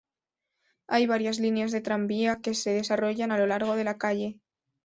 Hay varias líneas de tranvía que se desarrollan a lo largo de la calle.